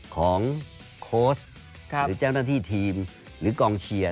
โค้ชหรือเจ้าหน้าที่ทีมหรือกองเชียร์